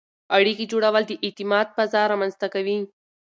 اړیکې جوړول د اعتماد فضا رامنځته کوي.